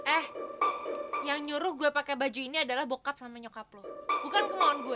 eh yang nyuruh gue pakai baju ini adalah bokap sama nyokap lo bukan kemauan gue